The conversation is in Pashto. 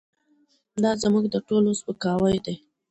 دا زموږ د ټولو سپکاوی دی.